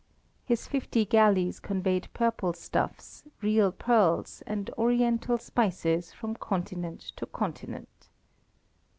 His fifty galleys conveyed purple stuffs, real pearls, and oriental spices from continent to continent.